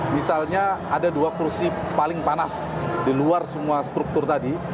misalnya ada dua kursi paling panas di luar semua struktur tadi